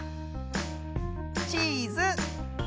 チーズ。